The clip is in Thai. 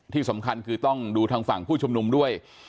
ที่สำคัญคือต้องดูทางฝั่งผู้ชุมนุมด้วย